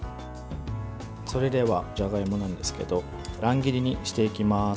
それではじゃがいもなんですけど乱切りにしていきます。